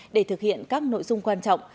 để thực hiện các nội dung quan trọng